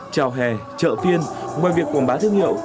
chào hè chợ phiên ngoài việc quảng bá thương hiệu